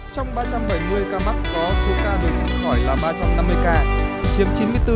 trong ba trăm bảy mươi ca mắc có số ca được chữa khỏi là ba trăm năm mươi ca chiếm chín mươi bốn sáu